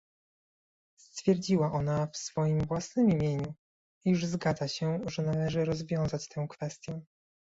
stwierdziła ona w swoim własnym imieniu, iż zgadza się, że należy rozwiązać tę kwestię